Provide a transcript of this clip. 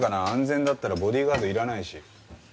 安全だったらボディーガードいらないし。